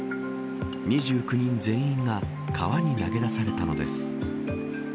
２９人全員が川に投げ出されたのです。